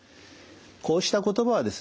こうした言葉はですね